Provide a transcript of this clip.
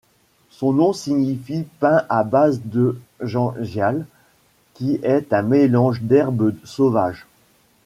Son nom signifie pain à base de Jengial, qui est un mélange d'herbes sauvages.